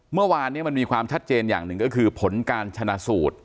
เมื่อวานนี้มันมีความชัดเจนอย่างหนึ่งก็คือผลการชนะสูตร